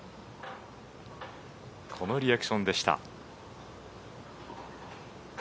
このリアクションでした。